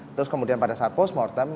terus kemudian pada saat post mortem